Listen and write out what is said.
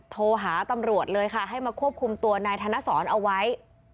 โทรหาตำรวจเลยค่ะให้มาควบคุมตัวนายธนสรเอาไว้